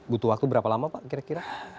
butuh waktu berapa lama pak kira kira